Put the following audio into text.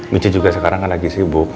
michi juga sekarang kan lagi sibuk